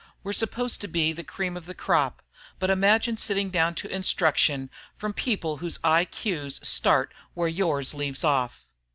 We're supposed to be the cream of the crop, but imagine sitting down to instruction from people whose I.Q.s start where yours leaves off!